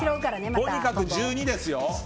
とにかく１２ですよ。